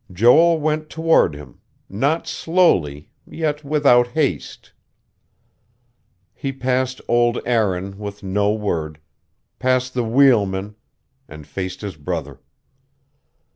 Joel went toward him, not slowly, yet without haste. He passed old Aaron with no word, passed the wheelman, and faced his brother.